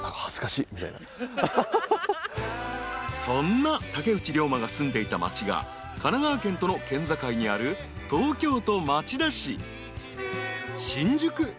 ［そんな竹内涼真が住んでいた町が神奈川県との県境にある東京都町田市］